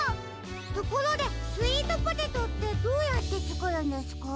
ところでスイートポテトってどうやってつくるんですか？